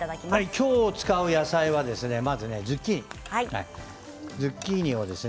今日使う野菜はまずはズッキーニ。